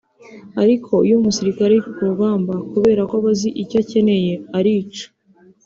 ariko iyo umusirikare ari ku rugamba kubera ko aba azi icyo akeneye arica